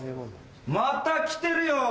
また来てるよ！